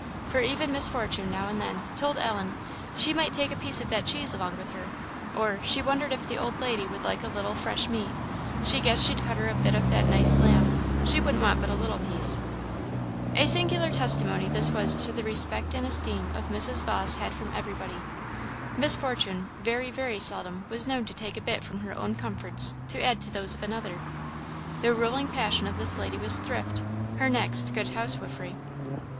For even Miss Fortune now and then told Ellen "she might take a piece of that cheese along with her;" or, "she wondered if the old lady would like a little fresh meat; she guessed she'd cut her a bit of that nice lamb; she wouldn't want but a little piece." A singular testimony this was to the respect and esteem of Mrs. Vawse had from everybody. Miss Fortune very, very seldom was known to take a bit from her own comforts to add to those of another. The ruling passion of this lady was thrift; her next, good housewifery.